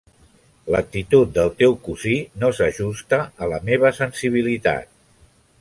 L'actitud del teu cosí no s'ajusta a la meva sensibilitat.